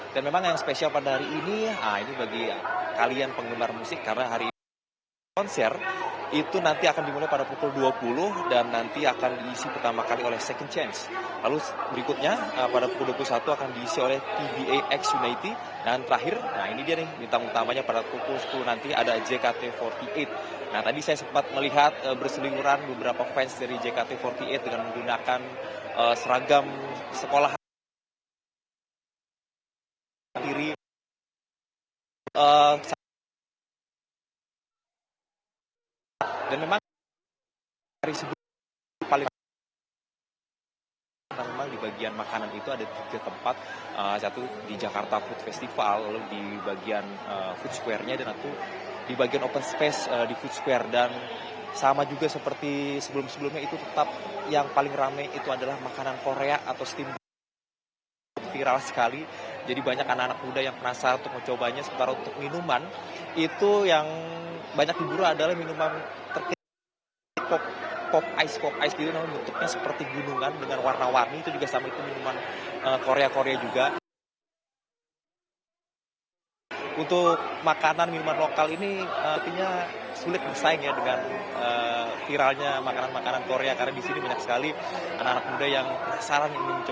dan memang yang spesial pada hari ini nah ini bagi kalian penggemar musik karena hari ini konser itu nanti akan dimulai pada pukul dua puluh dan nanti akan diisi pertama kali oleh second chance